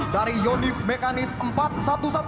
dari yonif mekanis empat ratus sebelas kostra